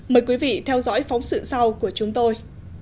mời quý vị theo dõi phóng sự sau của chúng tôi